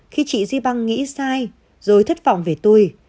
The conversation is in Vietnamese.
khi chị zibang nghĩ sai rồi thất vọng về tôi